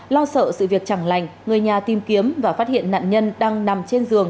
lo sợ sự việc chẳng lành người nhà tìm kiếm và phát hiện nạn nhân đang nằm trên giường